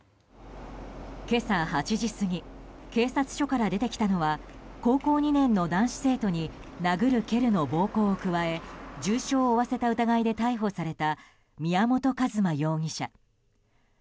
今朝８時過ぎ警察署から出てきたのは高校２年の男子生徒に殴る蹴るの暴行を加え重傷を負わせた疑いで逮捕された宮本一馬容疑者。